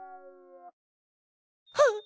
はっ！